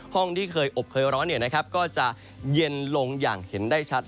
ที่เคยอบเคยร้อนก็จะเย็นลงอย่างเห็นได้ชัด